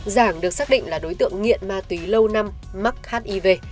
giảng được xác định là đối tượng nghiện ma túy lâu năm mắc hiv